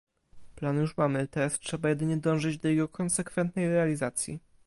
Plan już mamy, teraz trzeba jedynie dążyć do jego konsekwentnej realizacji